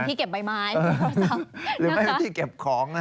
ไม่เป็นที่เก็บใบไม้หรือไม่เป็นที่เก็บของ